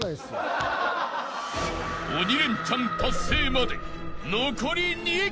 ［鬼レンチャン達成まで残り２曲］